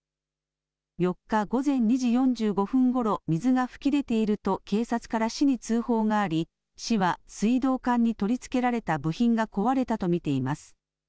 ４日午前２時４５分ごろ水が噴き出ていると警察から市に通報があり、市は水道管に取り付けられた部品が壊れたと見ています。